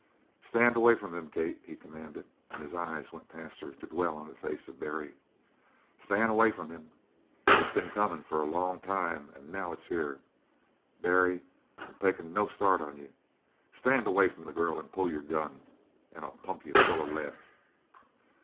"Stand away from him, Kate," he commanded, and his eyes went past her to dwell on the face of Barry. "Stand away from him. It's been comin' for a long time, and now it's here. Barry I'm takin' no start on you. Stand away from the girl and pull your gun and I'll pump you full of lead."